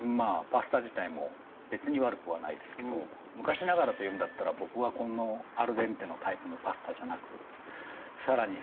パスタ自体も別に悪くはないですけど昔ながらというんだったら僕はこのアルデンテのタイプのパスタじゃなくさらに